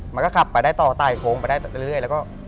มันก็ขับไปได้ต่อไต่โค้งไปได้เรื่อยแล้วก็